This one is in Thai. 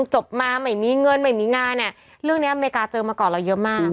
จบมาไม่มีเงินไม่มีงานเนี่ยเรื่องนี้อเมริกาเจอมาก่อนเราเยอะมาก